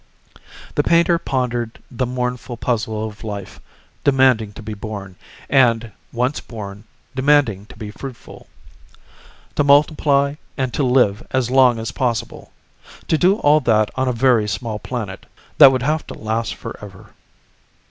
The painter pondered the mournful puzzle of life demanding to be born and, once born, demanding to be fruitful ... to multiply and to live as long as possible to do all that on a very small planet that would have to last forever.